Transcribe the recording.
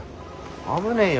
危ねえよ